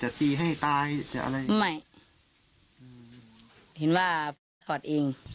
จะตีให้ตายจะอะไรไม่อืมเห็นว่าถอดเอง